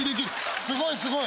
すごいすごい。